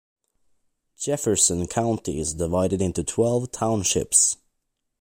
Jefferson County is divided into twelve townships.